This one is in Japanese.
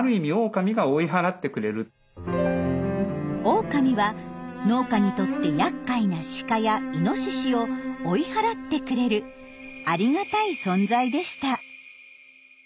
オオカミは農家にとってやっかいなシカやイノシシを追い払ってくれるありがたい存在でした。